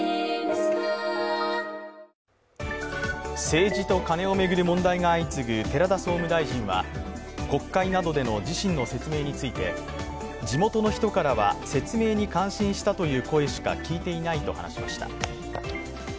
政治とカネを巡る問題が相次ぐ寺田総務大臣は、国会などでの自身の説明について地元の人からは説明に感心したという声しか聞いていないと話しました。